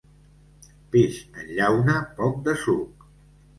Peix en llauna, poc de suc.